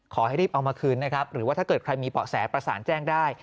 ขอให้รีบเอามาคืนนะครับหรือว่าถ้าเกิดใครมีเบาะแสประสานแจ้งได้